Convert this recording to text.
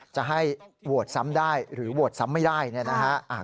จะให้โหวตซ้ำได้หรือโหวตซ้ำไม่ได้เนี่ยนะฮะ